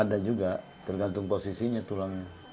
ada juga tergantung posisinya tulangnya